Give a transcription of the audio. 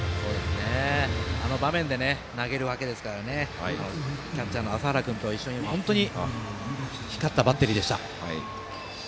あの場面で投げるわけですからキャッチャーの麻原君と一緒に本当に光ったバッテリーでした。